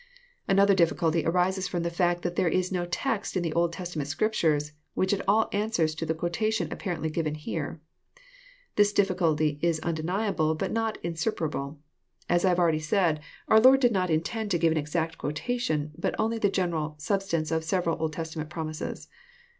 Another difficulty arises from the fact, that there is no text in the Old Testament Scriptures which at all answers to the quotation apparently given here. This difficulty is undeniable, but not insuperable. As I have already said, our Lord did not intend to give an exact quotation, but only the general sub stance of several Old Testament promises.